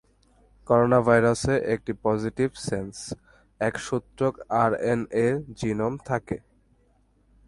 করোনাভাইরাসে একটি positive sense, এক-সূত্রক আরএনএ জিনোম থাকে।